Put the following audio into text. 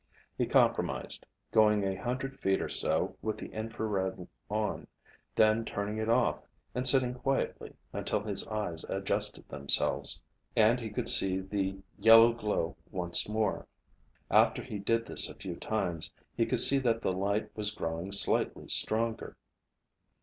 He compromised, going a hundred feet or so with the infrared on, then turning it off and sitting quietly until his eyes adjusted themselves and he could see the yellow glow once more. After he did this a few times he could see that the light was growing slightly stronger.